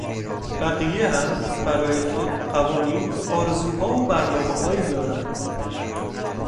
بقیه هم برای خود قوانین، آرزوها و برنامه هایی دارند.